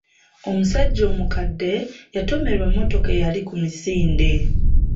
Omusajja omukadde yatomerwa emmotoka eyali ku misinde.